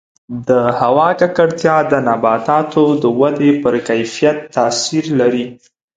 د هوا ککړتیا د نباتاتو د ودې پر کیفیت تاثیر لري.